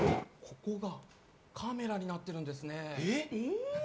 ここがカメラになってるんですね。